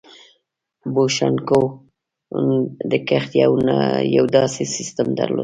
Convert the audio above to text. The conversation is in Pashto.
بوشنګانو د کښت یو داسې سیستم درلود.